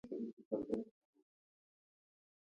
سلیمان غر د افغانستان یوه طبیعي ځانګړتیا ده.